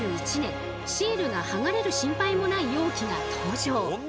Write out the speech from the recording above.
シールが剥がれる心配もない容器が登場。